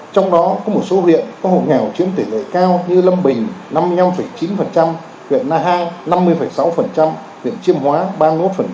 trong đó có một số huyện có hộ nghèo chiếm tỷ lệ cao như lâm bình năm mươi năm chín huyện na hàng năm mươi sáu huyện chiêm hóa ba mươi một